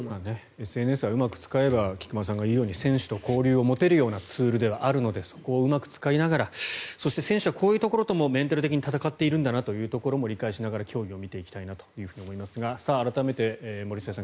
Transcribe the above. ＳＮＳはうまく使えば菊間さんが言うように選手と交流を持てるようなツールではあるのでそこをうまく使いながらそして選手はこういうところともメンタル的に戦っているんだなと理解しながら競技を見ていきたいと思いますが改めて森末さん